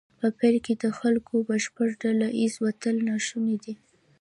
په پیل کې د خلکو بشپړ ډله ایز وتل ناشونی دی.